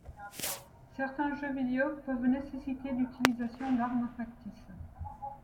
Certains jeux vidéo peuvent nécessiter l'utilisation d'armes factices.